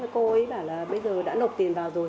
cô ấy bảo là bây giờ đã nộp tiền vào rồi